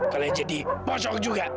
kalian jadi pocong juga